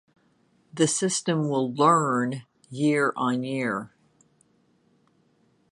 The system will "learn" year-on-year.